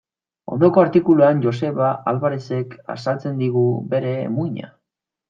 Ondoko artikuluan Joseba Alvarerezek azaltzen digu bere muina.